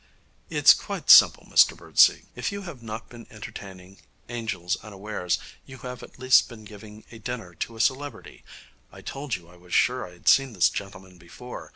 'It's quite simple, Mr Birdsey. If you have not been entertaining angels unawares, you have at least been giving a dinner to a celebrity. I told you I was sure I had seen this gentleman before.